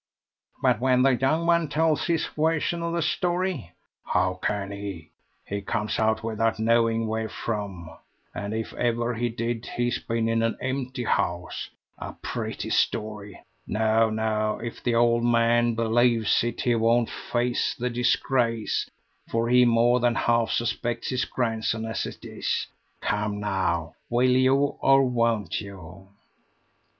"But when the young one tells his version of the story?" "How can he? He comes out without knowing where from; and if ever he did, he's been in an empty house. A pretty story! No, no; if the old man believes it, he won't face the disgrace, for he more than half suspects his grandson as it is. Come now, will you or won't you?"